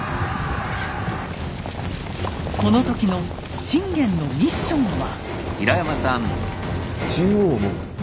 この時の信玄のミッションは。